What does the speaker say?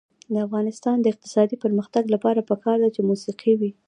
د افغانستان د اقتصادي پرمختګ لپاره پکار ده چې موسیقي وي.